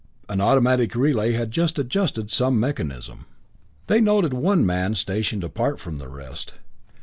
An automatic relay had adjusted some mechanism. They noted one man stationed apart from the rest.